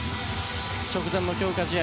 直前の強化試合